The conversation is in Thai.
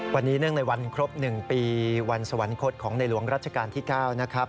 วันนี้เนื่องในวันครบ๑ปีวันสวรรคตของในหลวงรัชกาลที่๙นะครับ